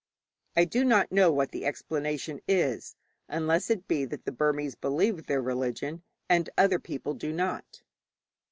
I do not know what the explanation is, unless it be that the Burmese believe their religion and other people do not.